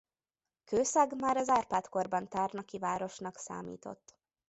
Kőszeg már az Árpád-korban tárnoki városnak számított.